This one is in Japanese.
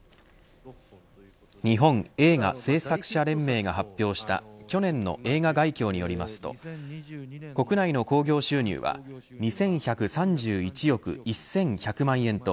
日本映画製作者連盟が発表した去年の映画概況によりますと国内の興行収入は２１３１億１１００万円と